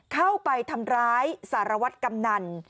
เข้าไปทำร้ายสารวัตรกำนัน